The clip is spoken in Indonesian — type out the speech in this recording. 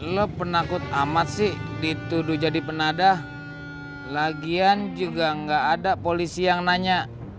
lo penakut amat sih dituduh jadi penadah lagian juga nggak ada polisi yang nanya